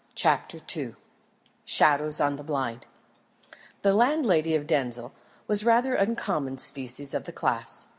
CHAPTER II SHADOWS ON THE BLIND The landlady of Denzil was a rather uncommon specimen of the class.